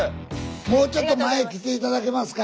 もうちょっと前来て頂けますか？